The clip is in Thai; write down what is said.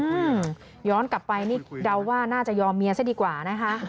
อืมย้อนกลับไปนี่เดาว่าน่าจะยอมเมียซะดีกว่านะคะ